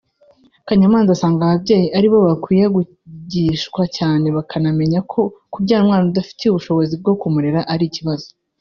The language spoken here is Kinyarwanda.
Kanyamanza asanga ababyeyi ari bo bakwiye kwigishwa cyane bakanamenya ko kubyara umwana udafite ubushobozi bwo kumurera ari ikibazo